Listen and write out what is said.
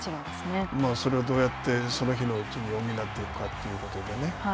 それをどうやってその日のうちに補っていくかということでね。